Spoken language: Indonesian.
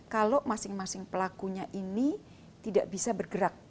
kalau masing masing pelakunya ini tidak bisa bergerak